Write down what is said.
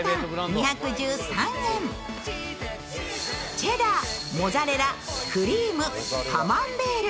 チェダー、モザレラ、クリーム、カマンベール。